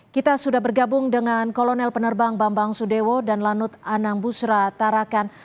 kita sudah bergabung dengan kolonel penerbang bambang sudewo dan lanut anang busra tarakan